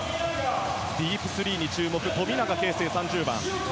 ディープスリーに注目富永啓生、背番号３０番。